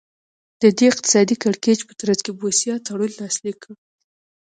د دې اقتصادي کړکېچ په ترڅ کې بوسیا تړون لاسلیک کړ.